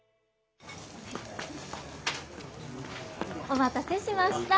お待たせしました。